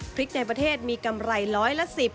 ในประเทศมีกำไรร้อยละ๑๐